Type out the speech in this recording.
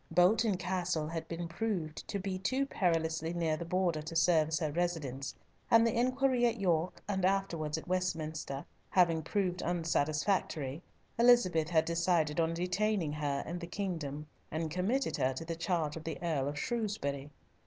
Bolton Castle had been proved to be too perilously near the Border to serve as her residence, and the inquiry at York, and afterwards at Westminster, having proved unsatisfactory, Elizabeth had decided on detaining her in the kingdom, and committed her to the charge of the Earl of Shrewsbury.